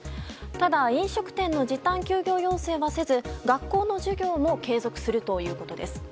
ただ、飲食店の時短・休業要請はせず学校の授業も継続するということです。